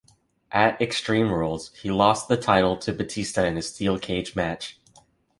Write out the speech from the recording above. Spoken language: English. At Extreme Rules, he lost the title to Batista in a Steel Cage match.